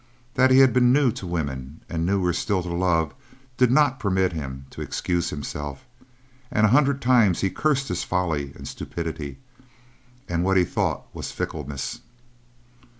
That he had been new to women and newer still to love did not permit him to excuse himself, and a hundred times he cursed his folly and stupidity, and what he thought was fickleness.